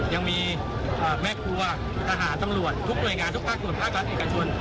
ยังมีแม่ครัวทหารตำรวจทุกหน่วยงานทุกภาคส่วนภาครัฐเอกชน